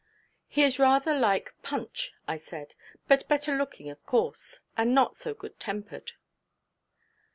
'He is rather like Punch,' I said, 'but better looking of course; and not so good tempered.'